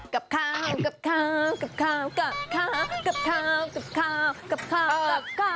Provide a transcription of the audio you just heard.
กับข้าวกับข้าวกับข้าวกับข้าวกับข้าวกับข้าวกับข้าว